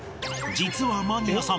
実はマニアさん